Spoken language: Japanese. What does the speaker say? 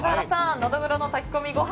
ノドグロの炊き込みご飯